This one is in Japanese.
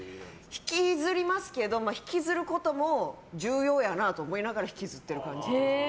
引きずりますけど引きずることも重要やなと思いながら引きずってる感じ。